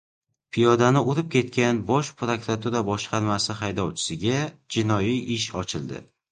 Piyodani urib ketgan Bosh prokuratura boshqarmasi haydovchisiga jinoiy ish ochildi